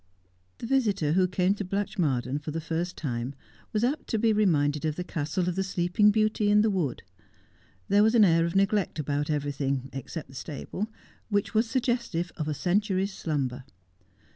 The visitor who came to Blatchmardean for the first time was apt to be reminded of the castle of the sleeping beauty in the wood. There was an air of neglect about everything, except the stable, which was suggestive of a century's slumber.